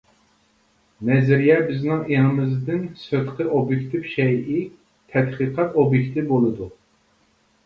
نەزەرىيە بىزنىڭ ئېڭىمىزدىن سىرتقى ئوبيېكتىپ شەيئى، تەتقىقات ئوبيېكتى بولىدۇ.